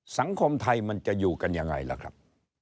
สังคมไทยมันจะอยู่กันยังไงล่ะครับ